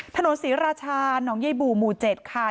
ถนนศรีราชาหนองใยบู่หมู่๗ค่ะ